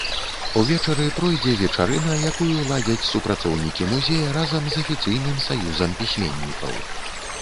Увечары пройдзе вечарына, якую ладзяць супрацоўнікі музея разам з афіцыйным саюзам пісьменнікаў.